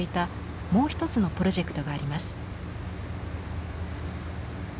もう一つのプロジェクトがあります。